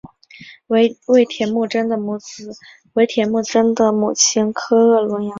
为铁木真的母亲诃额仑养子。